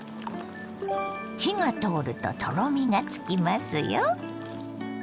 火が通るととろみがつきますよ。